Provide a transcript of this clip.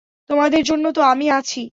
তোদের জন্য তো আমি আছি।